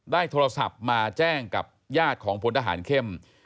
ได้โทรศัพท์มาแจ้งกับญาติของพลทหารเข้ม